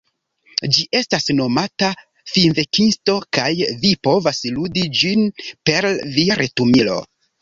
Ĝi estas nomata Finvenkisto kaj vi povas ludi ĝin per via retumilo.